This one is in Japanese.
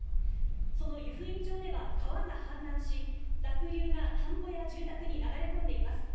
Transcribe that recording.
その湯布院町では川が氾濫し、濁流が田んぼや住宅に流れ込んでいます。